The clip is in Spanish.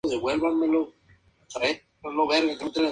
Joaquín es un piloto comercial y acaba de separarse de su mujer.